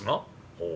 「ほう？